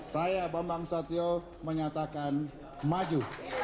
saya bambang susatyo menyatakan maju